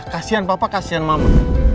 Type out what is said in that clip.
kasian papa kasian mama